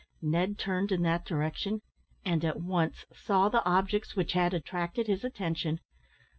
Ned turned in that direction, and at once saw the objects which had attracted his attention.